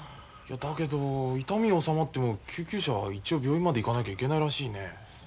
だけど痛み治まっても救急車は一応病院まで行かなきゃいけないらしいね。